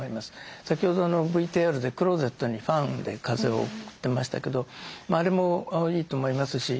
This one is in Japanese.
先ほどのＶＴＲでクローゼットにファンで風を送ってましたけどあれもいいと思いますし